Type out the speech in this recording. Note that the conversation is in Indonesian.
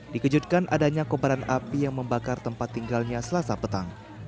dikejutkan adanya kobaran api yang membakar tempat tinggalnya selasa petang